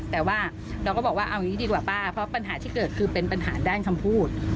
แต่ว่าเราก็บอกว่าเอาอย่างนี้ดีกว่าป้าเพราะปัญหาที่เกิดคือเป็นปัญหาด้านคำพูด